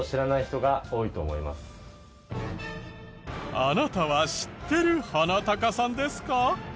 あなたは知ってるハナタカさんですか？